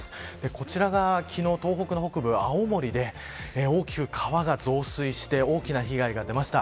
こちらが昨日、東北の北部青森で大きく川が増水して大きな被害が出ました。